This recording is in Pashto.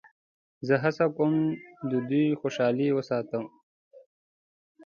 زه هڅه کوم د دوی خوشحالي وساتم.